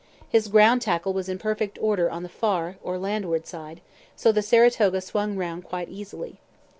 His ground tackle was in perfect order on the far, or landward, side; so the Saratoga swung round quite easily.